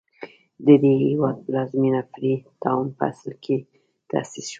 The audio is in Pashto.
د دې هېواد پلازمېنه فري ټاون په اصل کې تاسیس شوه.